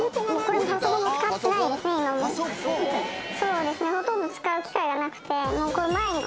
そうですね。